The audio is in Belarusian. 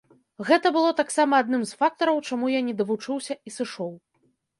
Гэта было таксама адным з фактараў, чаму я не давучыўся і сышоў.